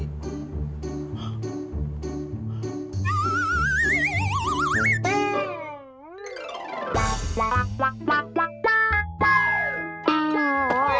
สนใจรอไหมคะคุณพี่